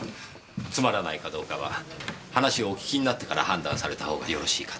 つまらないかどうかは話をお聞きになってから判断された方がよろしいかと。